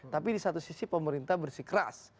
tapi di satu sisi pemerintah bersikeras